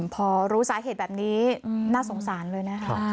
พอรู้สาเหตุแบบนี้น่าสงสารเลยนะคะ